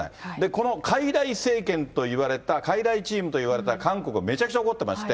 このかいらい政権といわれた、かいらいチームといわれた韓国、めちゃくちゃ怒ってまして。